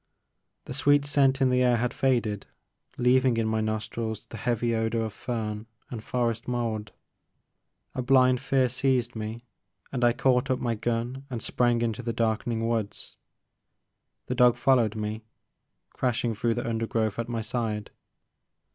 The sweet scent in the air had faded, leaving in my nostrils the heavy odor of fern and forest mould. A blind fear seized me, and I caught up my gun and and sprang into the darkening woods. The dog followed me, crashing through the under growth at my side.